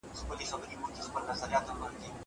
ته ولي واښه راوړې؟